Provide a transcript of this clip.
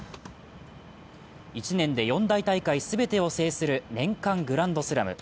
１年で四大大会全てを制する年間グランドスラム。